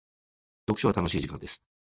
読書は楽しい時間です。